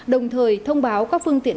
đồng thời thông báo các phương tiện